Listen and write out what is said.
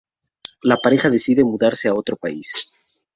La pareja decide mudarse a otro país.